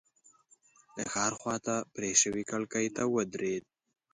د ښار خواته پرې شوې کړکۍ ته ودرېد.